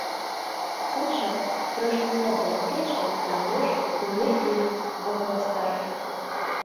Тут жа, трошку воддаль ад печы, на ложку, у рыззі, вохала старая.